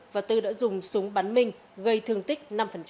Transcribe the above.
và tư đã dùng súng bắn minh gây thương tích năm